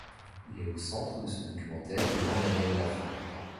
Il est au centre de ce documentaire de Jean-Daniel Lafond.